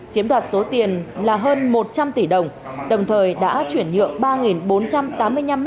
chiếm đoạt số tiền là hơn một trăm linh tỷ đồng đồng thời đã chuyển nhượng ba bốn trăm tám mươi năm m hai